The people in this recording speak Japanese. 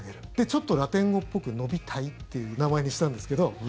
ちょっとラテン語っぽくノビタイっていう名前にしたんですけど。